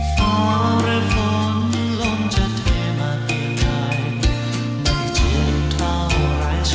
เฝาร่วมลมจะเทมากยังไง